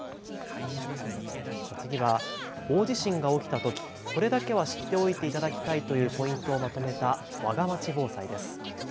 次は大地震が起きたときこれだけは知っておいていただきたいというポイントをまとめたわがまち防災です。